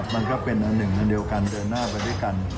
มันก็เป็นอันหนึ่งอันเดียวกันเดินหน้าไปด้วยกัน